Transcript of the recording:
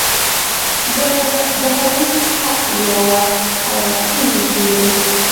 دا حديث يو هراړخيز اصول دی.